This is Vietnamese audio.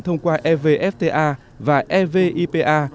thông qua evfta và evipa